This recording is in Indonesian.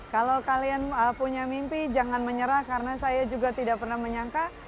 kalau kalian punya mimpi jangan menyerah karena saya juga tidak pernah menyangka